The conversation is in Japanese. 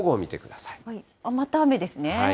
また雨ですね。